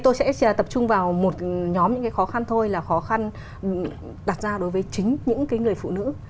tôi sẽ tập trung vào một nhóm những cái khó khăn thôi là khó khăn đặt ra đối với chính những người phụ nữ